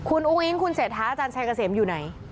คุณอูงอิงคุณเศดท้าอาจารย์ชายกะเสมอยู่ใน